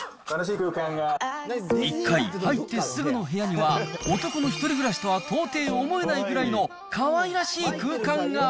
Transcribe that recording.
１階入ってすぐの部屋には、男の１人暮らしとは到底思えないぐらいのかわいらしい空間が。